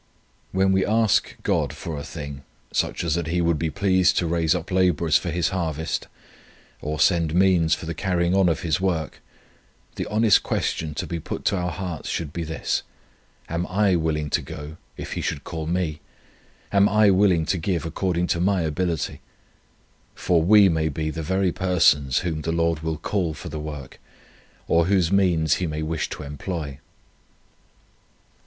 When we ask God for a thing, such as that He would be pleased to raise up labourers for His harvest, or send means for the carrying on of His work, the honest question to be put to our hearts should be this: Am I willing to go, if He should call me? Am I willing to give according to my ability? For we may be the very persons whom the Lord will call for the work, or whose means He may wish to employ."